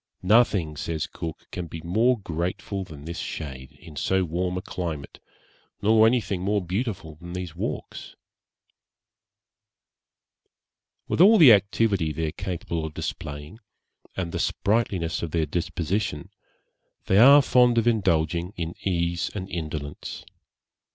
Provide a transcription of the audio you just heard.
'Nothing,' says Cook, 'can be more grateful than this shade, in so warm a climate, nor anything more beautiful than these walks,' With all the activity they are capable of displaying, and the sprightliness of their disposition, they are fond of indulging in ease and indolence.